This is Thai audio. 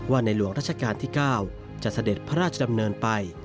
ในหลวงราชการที่๙จะเสด็จพระราชดำเนินไป